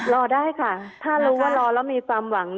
รอได้ค่ะถ้ารู้ว่ารอแล้วมีความหวัง